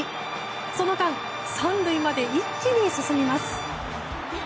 その間３塁まで一気に進みます。